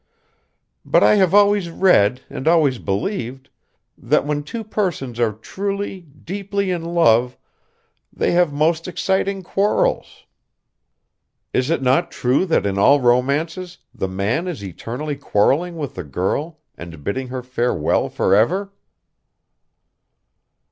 But I have always read, and always believed, that when two persons are truly, deeply in love, they have most exciting quarrels. Is it not true that in all romances the man is eternally quarrelling with the girl and bidding her farewell forever?"